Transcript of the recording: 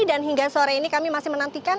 dan hingga sore ini kami masih menantikan